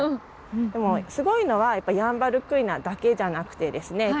でもすごいのはやっぱヤンバルクイナだけじゃなくてですね